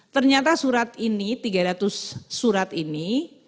ternyata surat ini tiga ratus surat ini